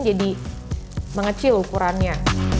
jadi mengecil ukurannya